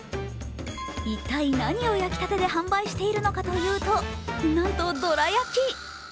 一体、何を焼きたてで販売しているのかというと、なんとどら焼き。